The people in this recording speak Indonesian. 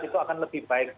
itu akan lebih baik